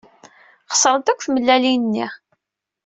Xeṣrent akk tmellalin-nni.